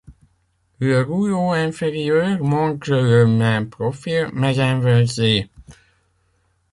Le rouleau inférieur montre le même profil, mais inversé.